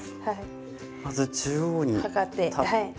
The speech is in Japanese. まず中央に立って。